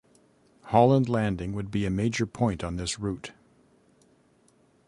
Holland Landing would be a major point on this route.